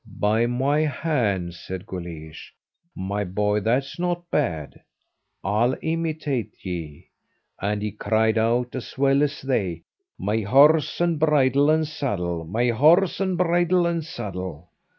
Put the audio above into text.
"By my hand," said Guleesh, "my boy, that's not bad. I'll imitate ye," and he cried out as well as they: "My horse, and bridle, and saddle! My horse, and bridle, and saddle!"